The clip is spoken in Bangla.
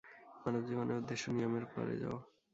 মানব জীবনের উদ্দেশ্য নিয়মের পারে যাওয়া।